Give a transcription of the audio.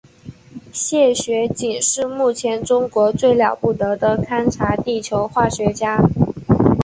谢学锦是目前中国最了不得的勘察地球化学家。